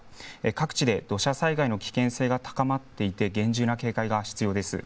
各地で土砂災害の危険性が高まっていて、厳重な警戒が必要です。